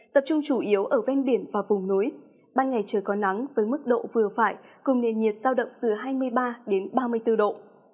tập trung chủ yếu ở ven biển và vùng núi ban ngày trời có nắng với mức độ vừa phải cùng nền nhiệt giao động từ hai mươi ba đến ba mươi bốn độ